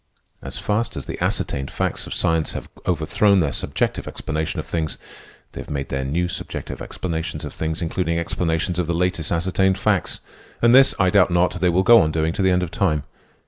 As fast as the ascertained facts of science have overthrown their subjective explanations of things, they have made new subjective explanations of things, including explanations of the latest ascertained facts. And this, I doubt not, they will go on doing to the end of time.